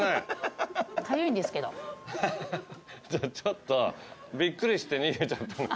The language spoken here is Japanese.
ちょっとびっくりして逃げちゃった。